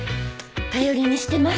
頼りにしてます。